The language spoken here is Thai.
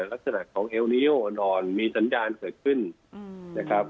ลักษณะของเอลนิโยนอนมีสัญญาณเกิดขึ้นนะครับ